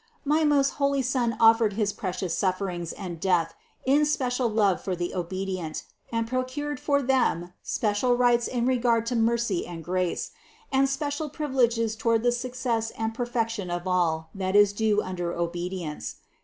My most holy Son offered his precious suf ferings and death in special love for the obedient, and pro cured for them special rights in regard to mercy and grace, and special privileges toward the success and per fection of all that is due under obedience.